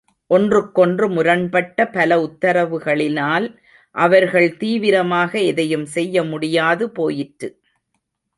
ஒன்றுக் கொன்று முரண்பட்ட பல உத்தரவுகளினால் அவர்கள் தீவிரமாக எதையும் செய்ய முடியாது போயிற்று.